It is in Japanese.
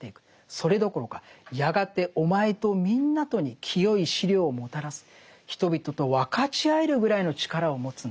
それどころかやがてお前とみんなとに聖い資糧をもたらす人々と分かち合えるぐらいの力を持つんだと。